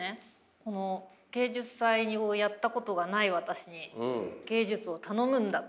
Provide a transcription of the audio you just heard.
この芸術祭をやったことがない私に芸術を頼むんだと。